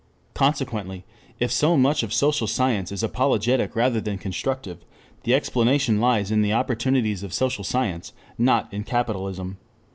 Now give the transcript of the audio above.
Consequently if so much of social science is apologetic rather than constructive, the explanation lies in the opportunities of social science, not in "capitalism."